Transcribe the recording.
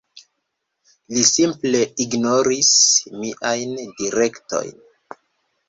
Li simple ignoris miajn direktojn.